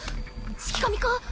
式神か？